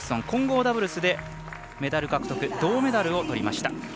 混合ダブルスでメダル獲得銅メダルをとりました。